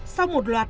sau một loạt